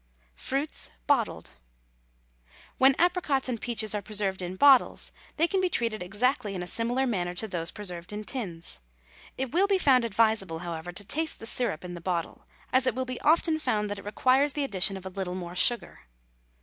FRUITS, BOTTLED. When apricots and peaches are preserved in bottles, they can be treated exactly in a similar manner to those preserved in tins. It will be found advisable, however, to taste the syrup in the bottle, as it will be often found that it requires the addition of a little more sugar.